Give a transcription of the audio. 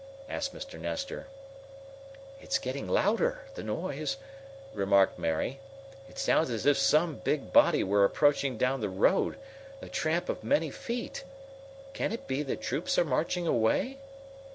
asked Mr. Nestor. "It's getting louder the noise," remarked Mary. "It sounds as if some big body were approaching down the road the tramp of many feet. Can it be that troops are marching away?"